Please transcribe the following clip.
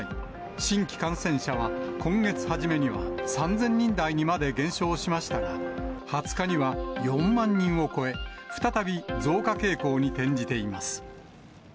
新規感染者は、今月初めには３０００人台にまで減少しましたが、２０日には４万人を超え、再び増加傾向に転じています。